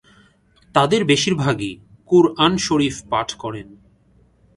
তাদের বেশিরভাগই কুরআন শরিফ পাঠ করেন।